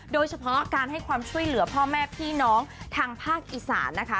โดยเฉพาะการให้ความช่วยเหลือพ่อแม่พี่น้องทางภาคอีสานนะคะ